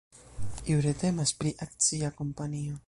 Jure temas pri akcia kompanio.